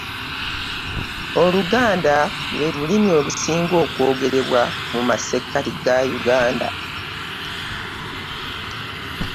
oluganda lwe lulimi olusinga okwogerebwa mu masekati ga uganda.